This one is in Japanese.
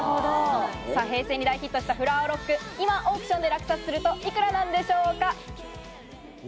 平成に大ヒットしたフラワーロック、今オークションに落札すると幾らなんでしょうか？